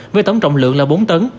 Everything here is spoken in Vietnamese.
với tổng trọng lượng là bốn tấn